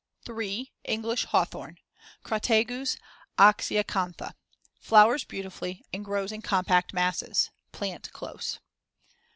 3. English hawthorn (Crataegus oxyacantha) Flowers beautifully and grows in compact masses. Plant close.